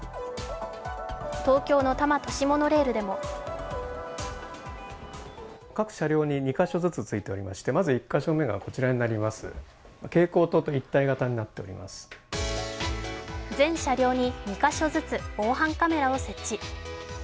東京の多摩都市モノレールでも全車両に２か所ずつ防犯カメラを設置。